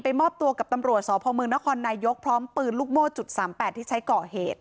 ไปมอบตัวกับตำรัวศพเมืองนครนายกพร้อมปืนลูกโม่จุดสามแปดที่ใช้ก่อเหตุ